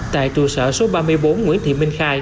tại trụ sở số ba mươi bốn nguyễn thị minh khai